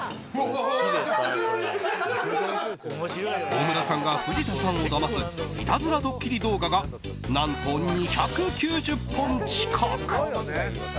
大村さんが藤田さんをだますいたずらドッキリ動画が何と２９０本近く！